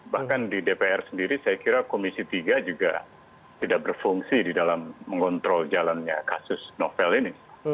bahkan di dpr sendiri saya kira komisi tiga juga tidak berfungsi di dalam mengontrol jalannya kasus novel ini